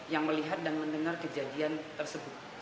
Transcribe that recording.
yang melihat dan mendengar kejadian tersebut